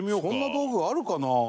そんな道具あるかな？